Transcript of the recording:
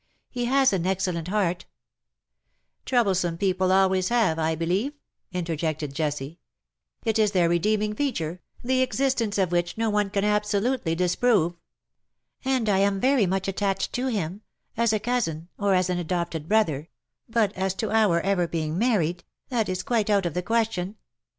" He has an excellent heart '''" Troublesome people always have_, I believe/'' interjected Jessie. '' It is their redeeming feature, the existence of which no one can absolutely dis prove.^^ '^ And I am very much attached to him — as a cousin — or as an adopted brother ; but as to our ever being married — that is quite out of the question.